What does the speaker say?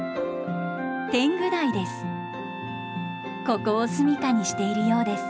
ここを住みかにしているようです。